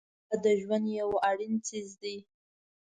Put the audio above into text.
باد د ژوند یو اړین جز دی